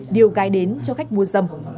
điều gai đến cho khách mua dâm